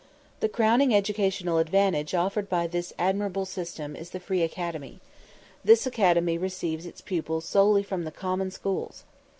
The crowning educational advantage offered by this admirable system is the Free Academy. This academy receives its pupils solely from the common schools.